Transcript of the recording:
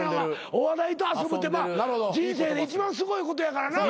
「お笑いと遊ぶ」って人生で一番すごいことやからな。